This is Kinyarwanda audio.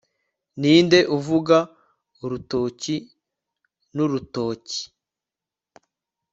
ninde uvuga urutoki n'urutoki